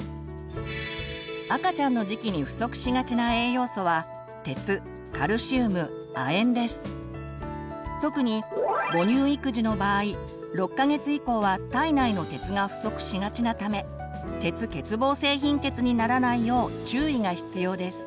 赤ちゃんの時期に不足しがちな栄養素は特に母乳育児の場合６か月以降は体内の鉄が不足しがちなため鉄欠乏性貧血にならないよう注意が必要です。